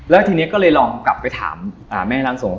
แล้วทีนี้ก็ลองกลับไปถามแม่รังสงฆ์